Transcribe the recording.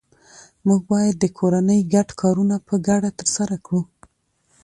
موږ باید د کورنۍ ګډ کارونه په ګډه ترسره کړو